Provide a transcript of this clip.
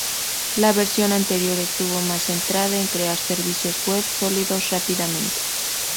La versión anterior estuvo más centrada en crear servicios web sólidos rápidamente.